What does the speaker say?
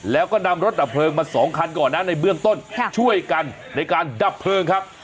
แล้วก็นำรถดับเพลิงมา๒คันก่อนนะในเบื้องต้นช่วยกันในการดับเพลิงครับ